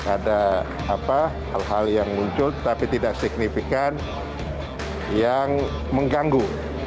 ada hal hal yang muncul tapi tidak signifikan yang mengganggu